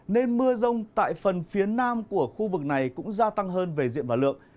nên mưa rông tại phần phía nam của khu vực này cũng gia tăng hơn về diện và lượng